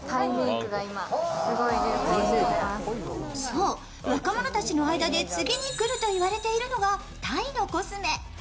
そう、若者たちの間で次に来ると言われているのがタイのコスメ。